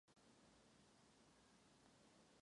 S fotbalem začal ve čtyřech letech v Příbrami.